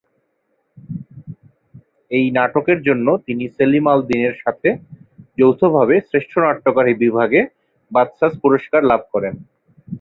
এই নাটকের জন্য তিনি সেলিম আল দীনের সাথে যৌথভাবে শ্রেষ্ঠ নাট্যকার বিভাগে বাচসাস পুরস্কার লাভ করেন।